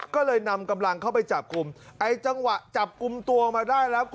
ก็เลยนำกำลังเข้าไปจับกลุ่มไอ้จังหวะจับกลุ่มตัวมาได้แล้ว